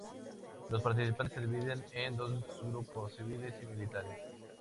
Los participantes se dividen en dos grupos: civiles y militares.